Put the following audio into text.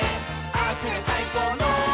「ああすりゃさいこうの」